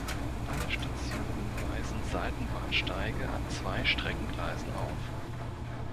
Alle Stationen weisen Seitenbahnsteige an zwei Streckengleisen auf.